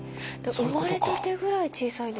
生まれたてぐらい小さい。